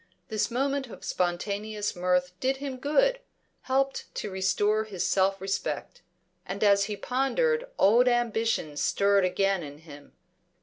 This moment of spontaneous mirth did him good, helped to restore his self respect. And as he pondered old ambitions stirred again in him.